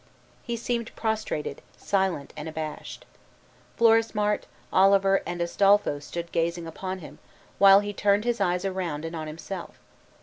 He seemed prostrated, silent, and abashed. Florismart, Oliver, and Astolpho stood gazing upon him, while he turned his eyes around and on himself.